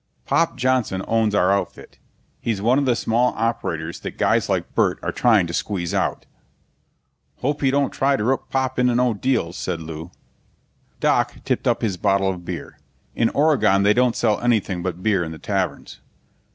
Pop Johnson owns our outfit. He's one of the small operators that guys like Burt are trying to squeeze out. "Hope he don't try to rook Pop into no deals," said Lew. Doc tipped up his bottle of beer. In Oregon they don't sell anything but beer in the taverns.